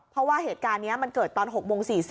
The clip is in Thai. เพราะว่าเหตุการณ์นี้มันเกิดตอน๖โมง๔๐